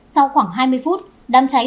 sau khoảng hai mươi phút đám cháy